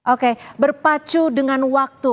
oke berpacu dengan waktu